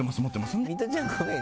ミトちゃん、ごめん。